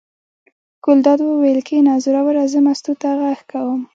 ګلداد وویل: کېنه زوروره زه مستو ته غږ کوم.